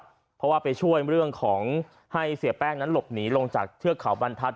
เพราะว่าไปช่วยเรื่องของให้เสียแป้งนั้นหลบหนีลงจากเทือกเขาบรรทัศน